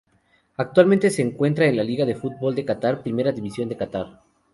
Actualmente se encuentra en la Liga de fútbol de Catar Primera División de Qatar.